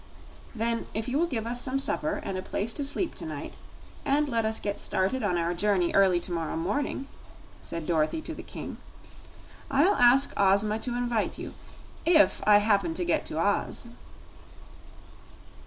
"Then, if you will give us some supper and a place to sleep to night, and let us get started on our journey early to morrow morning," said Dorothy to the King, "I'll ask Ozma to invite you if I happen to get to Oz."